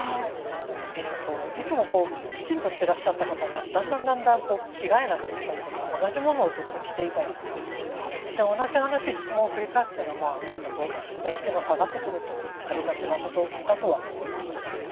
いつもきちんとしてらっしゃった方がだんだん着替えなくなったりとか同じものをずっと着ていたりとか同じ話質問を繰り返すというのは本当認知機能下がってくるとありがちなことだとは思います。